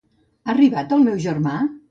Ha arribat el meu germà?